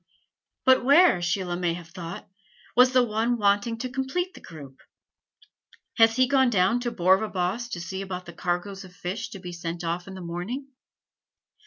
But where, Sheila may have thought, was the one wanting to complete the group? Has he gone down to Borvabost to see about the cargoes of fish to be sent off in the morning?